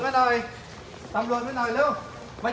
ไปจับอัตภาพหน่อย